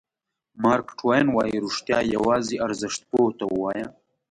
مارک ټواین وایي رښتیا یوازې ارزښت پوه ته ووایه.